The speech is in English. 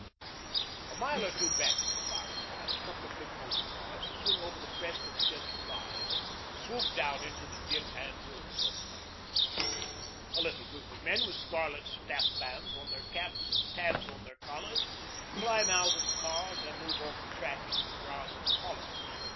A mile or two back from the firing line a couple of big motor cars swing over the crest of a gentle rise, swoop down into the dip, and halt suddenly. A little group of men with scarlet staff bands on their caps and tabs on their collars climb out of the cars and move off the track into the grass of the hollow.